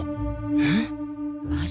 えっ？